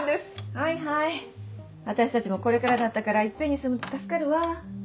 はいはい私たちもこれからだったから一遍に済むと助かるわ。